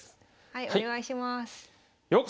はいお願いします。